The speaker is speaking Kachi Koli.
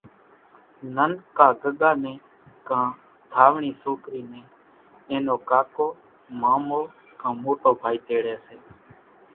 ننڪا ڳڳا نين ڪان ڌاوڻي سوڪري نين اين نو ڪاڪو مامو ڪان موٽو ڀائي تيڙي سي